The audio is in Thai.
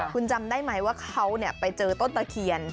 คุณจำได้ไหมว่าเขาไปเจอต้นตะเคียน